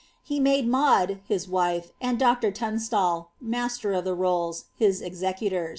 He mads Maud, his wife, and Dr. Tunstall, Master of the Rolls, his ezecaton.